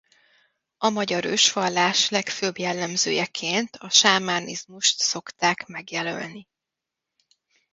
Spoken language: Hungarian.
A magyar ősvallás legfőbb jellemzőjeként a sámánizmust szokták megjelölni.